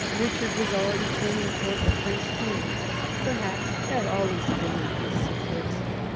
Eichard was already turning towards the French king — perhaps had always been in his secrets.